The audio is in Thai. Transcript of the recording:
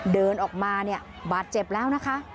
เดินออกมาบาดเจ็บแล้วนะคะ